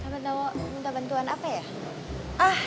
minta bantuan apa ya